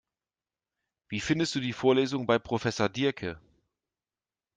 Wie findest du die Vorlesungen bei Professor Diercke?